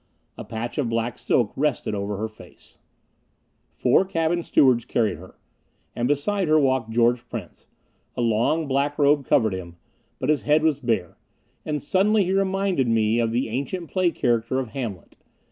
A patch of black silk rested over her face. Four cabin stewards carried her. And beside her walked George Prince. A long black robe covered him, but his head was bare. And suddenly he reminded me of the ancient play character of Hamlet.